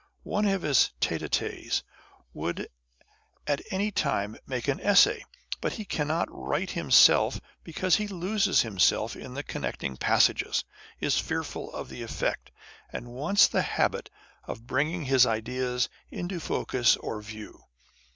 One of his tete a tetes would at any time make an Essay; but he cannot write himself, because he loses himself, in the connecting passages, is fearful of the effect, and wants the habit of bringing his ideas into one focus or view.